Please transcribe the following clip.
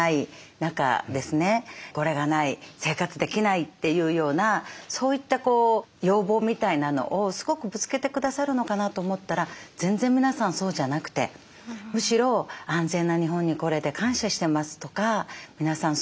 「これがない」「生活できない」というようなそういった要望みたいなのをすごくぶつけてくださるのかなと思ったら全然皆さんそうじゃなくてむしろ「安全な日本に来れて感謝してます」とか「皆さん